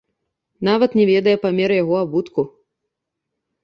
Нават не ведае памер яго абутку.